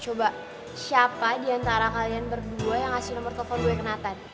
coba siapa diantara kalian berdua yang ngasih nomer telepon gue ke nathan